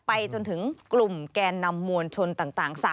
จนถึงกลุ่มแกนนำมวลชนต่าง